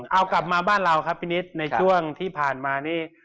เอากลับมาบ้านเราครับพี่นิดในช่วงที่ผ่านมานี่